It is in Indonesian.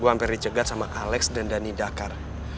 hampir dicegat sama alex dan dhani dakar